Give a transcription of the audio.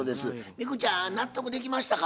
ミクちゃん納得できましたか？